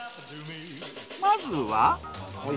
まずは。